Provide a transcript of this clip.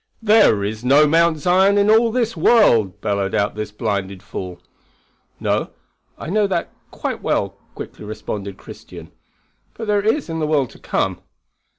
"There is no Mount Zion in all this world," bellowed out this blinded fool. "No; I know that quite well," quickly responded Christian; "but there is in the world to come."